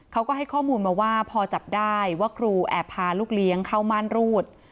เขาก็ให้ข้อมูลมาว่าพอจับได้ว่าครูแอบพาลูกเลี้ยงเข้าม่านรูด